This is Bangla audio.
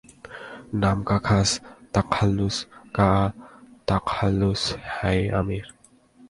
নাম কা নাম, তাখাল্লুস কা তাখাল্লুস হ্যায় আমির